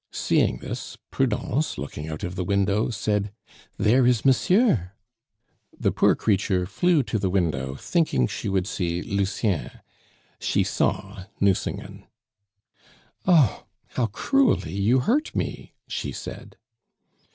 Seeing this, Prudence, looking out of the window, said, "There is monsieur!" The poor creature flew to the window, thinking she would see Lucien; she saw Nucingen. "Oh! how cruelly you hurt me!" she said.